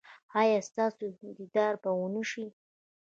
ایا ستاسو دیدار به و نه شي؟